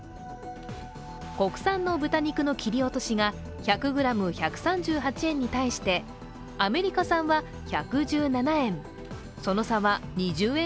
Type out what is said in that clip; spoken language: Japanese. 国産の豚肉の切り落としが１００ｇ１３８円に対して、アメリカ産は１１７円